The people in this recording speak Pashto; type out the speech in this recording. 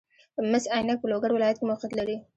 مس عینک په لوګر ولایت کې موقعیت لري